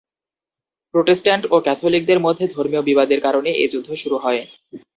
Protestant ও ক্যাথলিকদের মধ্যে ধর্মীয় বিবাদের কারণে এ যুদ্ধ শুরু হয়।